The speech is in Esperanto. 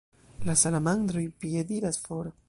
La salamandroj piediras for.